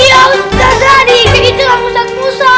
ya ustaz adik itulah ustaz musa